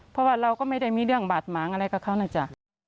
เพราะว่าเราก็ไม่ได้มีเรื่องบาดหมางอะไรกับเขานะจ๊ะ